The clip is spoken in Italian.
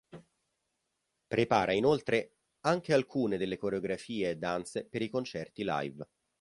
Prepara inoltre anche alcune delle coreografia e danze per i concerti live.